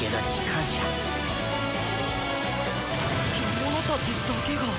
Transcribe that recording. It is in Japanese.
獣たちだけが。